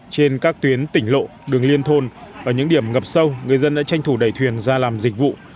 trên các tuyến tỉnh lộ đường liên thôn ở những điểm ngập sâu người dân đã tranh thủ đẩy thuyền ra làm dịch vụ